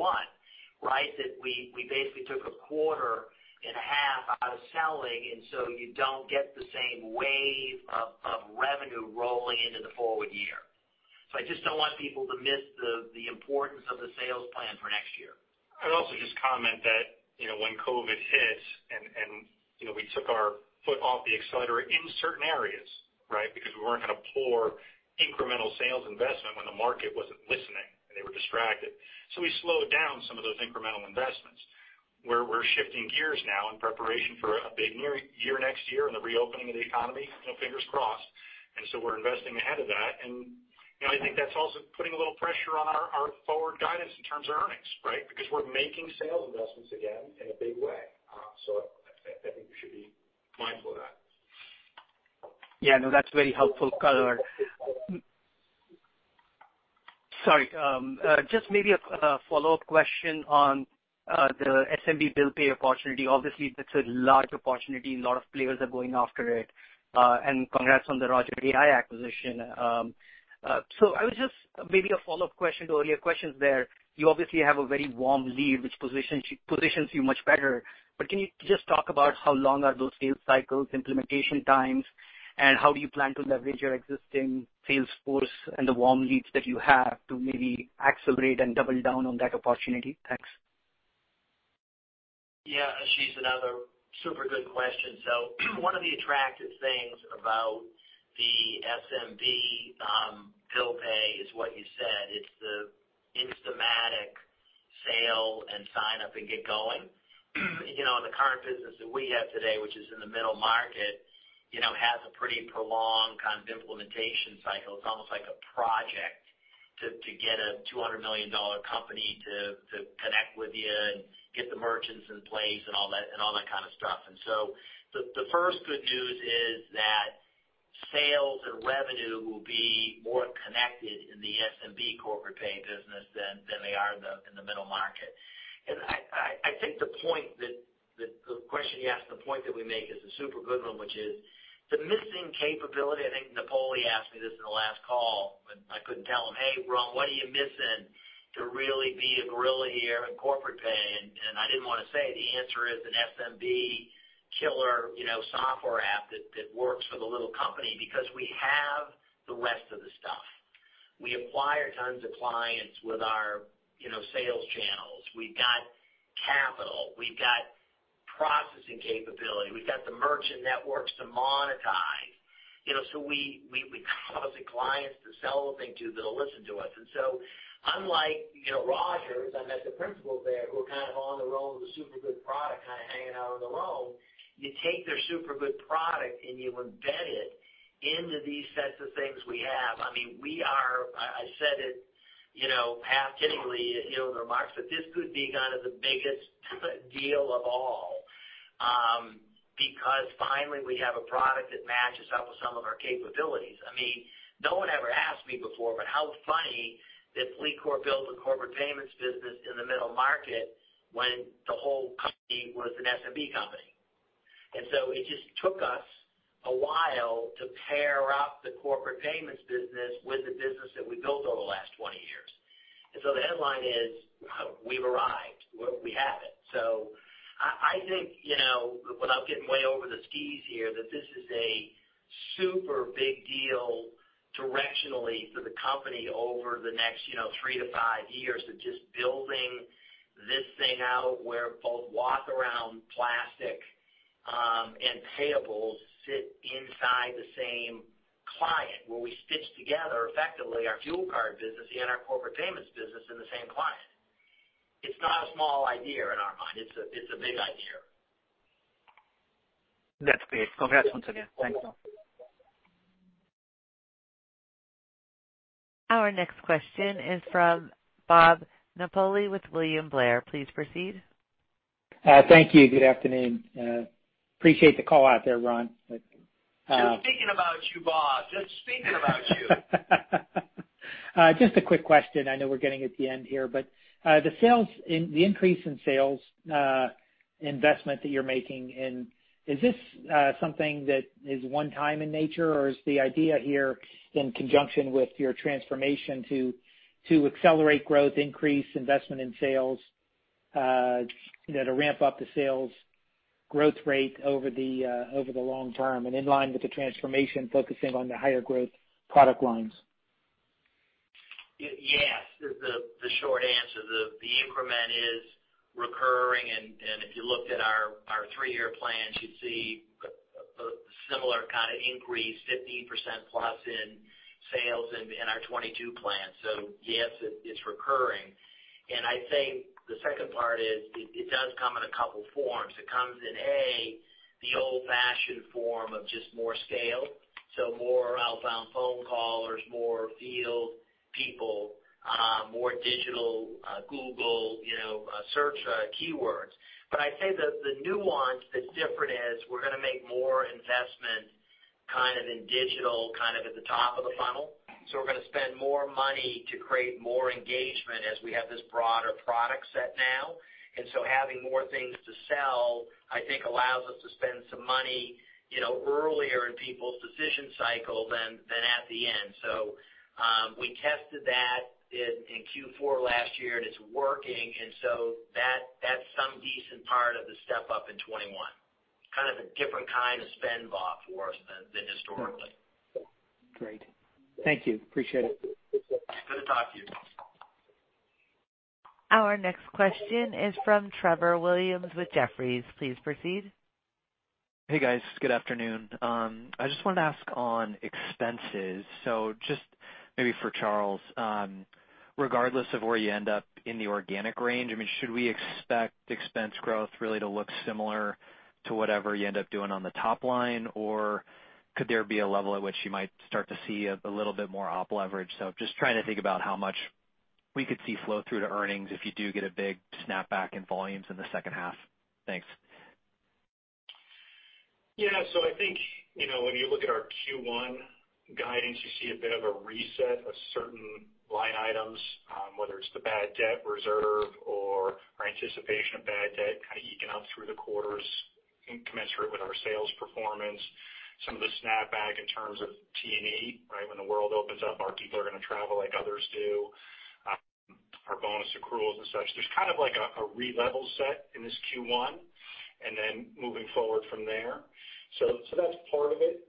S3: right? That we basically took a quarter and a half out of selling, so you don't get the same wave of revenue rolling into the forward year. I just don't want people to miss the importance of the sales plan for next year.
S4: I'd also just comment that when COVID hit and we took our foot off the accelerator in certain areas, right? Because we weren't going to pour incremental sales investment when the market wasn't listening, and they were distracted. We slowed down some of those incremental investments. We're shifting gears now in preparation for a big year next year and the reopening of the economy, fingers crossed. We're investing ahead of that. I think that's also putting a little pressure on our forward guidance in terms of earnings, right? Because we're making sales investments again in a big way. I think we should be mindful of that.
S11: Yeah, no, that's very helpful color. Sorry, just maybe a follow-up question on the SMB bill pay opportunity. Obviously, that's a large opportunity. A lot of players are going after it. Congrats on the Roger AI acquisition. Just maybe a follow-up question to earlier questions there. You obviously have a very warm lead, which positions you much better. Can you just talk about how long are those sales cycles, implementation times, and how do you plan to leverage your existing sales force and the warm leads that you have to maybe accelerate and double down on that opportunity? Thanks.
S3: Yeah. Ashish, another super good question. One of the attractive things about the SMB bill pay is what you said. It's the instamatic sale and sign up and get going. The current business that we have today, which is in the middle market, has a pretty prolonged kind of implementation cycle. It's almost like a project to get a $200 million company to connect with you and get the merchants in place and all that kind of stuff. The first good news is that sales and revenue will be more connected in the SMB corporate pay business than they are in the middle market. The point that the question you asked, the point that we make is a super good one, which is the missing capability, I think Napoli asked me this in the last call, but I couldn't tell him, "Hey, Ron, what are you missing to really be a gorilla here in corporate pay?" I didn't want to say the answer is an SMB killer software app that works for the little company because we have the rest of the stuff. We acquire tons of clients with our sales channels. We've got capital. We've got processing capability. We've got the merchant networks to monetize. We're calling clients to sell the thing to that'll listen to us. Unlike Roger, I met the principals there who are kind of on the roll with a super good product, kind of hanging out on their own. You take their super good product and you embed it into these sets of things we have. I said it half jokingly in remarks, this could be kind of the biggest deal of all, because finally we have a product that matches up with some of our capabilities. No one ever asked me before, how funny that FleetCor built a corporate payments business in the middle market when the whole company was an SMB company. It just took us a while to pair up the corporate payments business with the business that we built over the last 20 years. The headline is, we've arrived. We have it. I think, without getting way over the skis here, that this is a super big deal directionally for the company over the next three to five years of just building this thing out where both walk-around plastic and payables sit inside the same client, where we stitch together effectively our fuel card business and our corporate payments business in the same client. It's not a small idea in our mind. It's a big idea.
S11: That's great. Congrats once again. Thanks.
S1: Our next question is from Bob Napoli with William Blair. Please proceed.
S12: Thank you. Good afternoon. Appreciate the call out there, Ron.
S3: Just thinking about you, Bob. Just thinking about you.
S12: Just a quick question. I know we're getting at the end here, but the increase in sales investment that you're making. Is this something that is one time in nature or is the idea here in conjunction with your transformation to accelerate growth increase investment in sales to ramp up the sales growth rate over the long term and in line with the transformation focusing on the higher growth product lines?
S3: Yes, is the short answer. The increment is recurring and if you looked at our three-year plans, you'd see a similar kind of increase, 15%+ in sales in our 2022 plan. Yes, it's recurring. I'd say the second part is it does come in a couple forms. It comes in, A, the old fashioned form of just more scale. More outbound phone callers, more field people, more digital Google search keywords. I'd say the nuance that's different is we're going to make more investment kind of in digital, kind of at the top of the funnel. We're going to spend more money to create more engagement as we have this broader product set now. Having more things to sell I think allows us to spend some money earlier in people's decision cycle than at the end. We tested that in Q4 last year and it's working and so that's some decent part of the step up in 2021. Kind of a different kind of spend, Bob, for us than historically.
S12: Great. Thank you. Appreciate it.
S3: Good to talk to you.
S1: Our next question is from Trevor Williams with Jefferies. Please proceed.
S13: Hey, guys. Good afternoon. I just wanted to ask on expenses. Just maybe for Charles, regardless of where you end up in the organic range, should we expect expense growth really to look similar to whatever you end up doing on the top line? Or could there be a level at which you might start to see a little bit more op leverage? Just trying to think about how much we could see flow through to earnings if you do get a big snapback in volumes in the second half. Thanks.
S4: Yeah. I think, when you look at our Q1 guidance, you see a bit of a reset of certain line items, whether it's the bad debt reserve or our anticipation of bad debt kind of eking up through the quarters commensurate with our sales performance. Some of the snapback in terms of T&E. When the world opens up, our people are going to travel like others do. Our bonus accruals and such. There's kind of like a re-level set in this Q1, moving forward from there. That's part of it.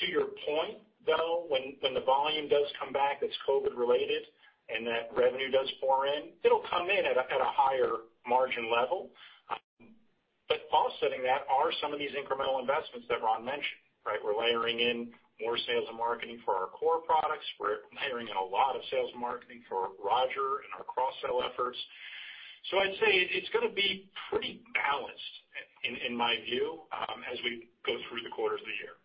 S4: To your point, though, when the volume does come back that's COVID related and that revenue does pour in, it'll come in at a higher margin level. Offsetting that are some of these incremental investments that Ron mentioned, right? We're layering in more sales and marketing for our core products. We're layering in a lot of sales and marketing for Roger and our cross-sell efforts. I'd say it's going to be pretty balanced in my view, as we go through the quarters of the year.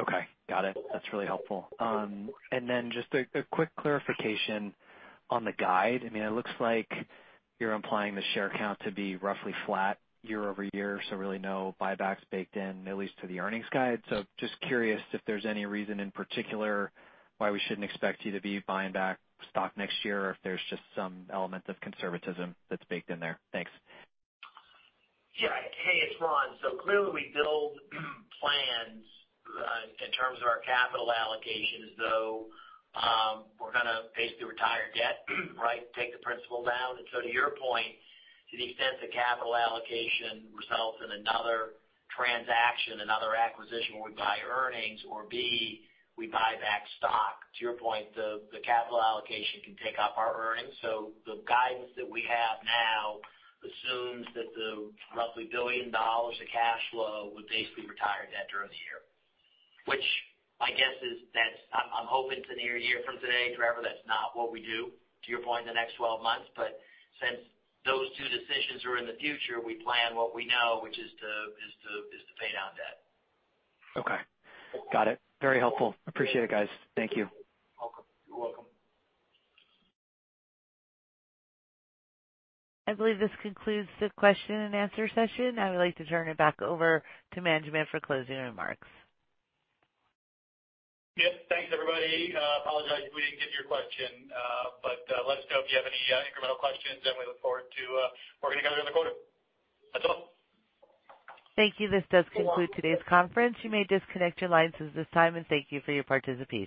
S13: Okay. Got it. That's really helpful. Just a quick clarification on the guide. It looks like you're implying the share count to be roughly flat year-over-year, really no buybacks baked in, at least to the earnings guide. Just curious if there's any reason in particular why we shouldn't expect you to be buying back stock next year or if there's just some element of conservatism that's baked in there. Thanks.
S3: Yeah. Hey, it's Ron. Clearly we build plans in terms of our capital allocations, though we're going to basically retire debt, right? Take the principal down. To your point, to the extent the capital allocation results in another transaction, another acquisition where we buy earnings or B, we buy back stock. To your point, the capital allocation can take up our earnings. The guidance that we have now assumes that the roughly $1 billion of cash flow would basically retire debt during the year, which I guess is I'm hoping it's a near year from today, Trevor. That's not what we do, to your point in the next 12 months, since those two decisions are in the future, we plan what we know, which is to pay down debt.
S13: Okay. Got it. Very helpful. Appreciate it, guys. Thank you.
S3: You're welcome.
S4: You're welcome.
S1: I believe this concludes the question and answer session. I would like to turn it back over to management for closing remarks. Yep. Thanks, everybody. Apologize if we didn't get to your question. Let us know if you have any incremental questions, and we look forward to working together on the quarter. That's all. Thank you. This does conclude today's conference. You may disconnect your lines at this time, and thank you for your participation.